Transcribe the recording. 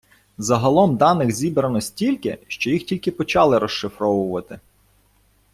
Загалом даних зібрано стільки, що їх тільки почали розшифровувати.